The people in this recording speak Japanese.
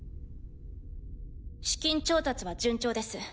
資金調達は順調です。